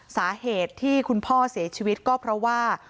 สาเหตุที่คุณพ่อเสียชีวิตก็เพราะว่า